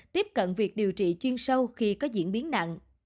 tiếp cận việc điều trị chuyên sâu khi có diễn biến nặng